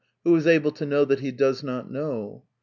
Who is able to know that he does not know